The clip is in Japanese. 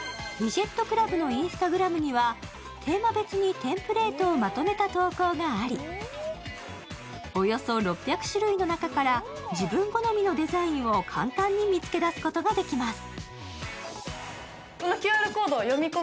ＷｉｄｇｅｔＣｌｕｂのＩｎｓｔａｇｒａｍにはテーマ別にテンプレートをまとめた投稿がありおよそ６００種類の中から自分好みのデザインを簡単に見つけ出すことができます。